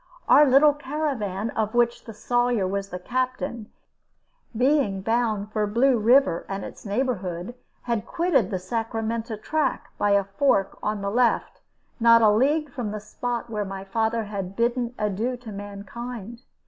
Our little caravan, of which the Sawyer was the captain, being bound for Blue River and its neighborhood, had quitted the Sacramento track by a fork on the left not a league from the spot where my father had bidden adieu to mankind.